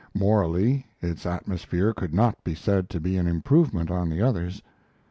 Morally, its atmosphere could not be said to be an improvement on the others.